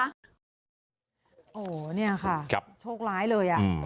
โอ้นี่ค่ะโชคล้ายเลย